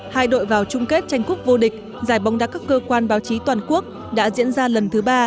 hai đội vào chung kết tranh cúp vô địch giải bóng đá các cơ quan báo chí toàn quốc đã diễn ra lần thứ ba